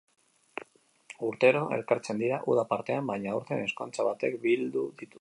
Urtero elkartzen dira uda partean, baina aurten ezkontza batek bildu ditu.